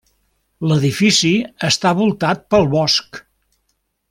L'edifici està voltat pel bosc.